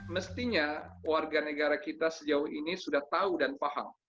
mestinya warga negara kita sejauh ini sudah tahu dan paham